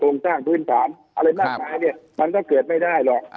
สร้างพื้นฐานอะไรมากมายเนี่ยมันก็เกิดไม่ได้หรอก